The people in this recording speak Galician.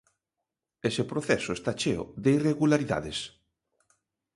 Ese proceso está cheo de irregularidades.